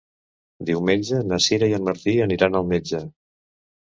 Diumenge na Sira i en Martí aniran al metge.